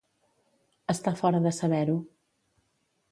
Estar fora de saber-ho.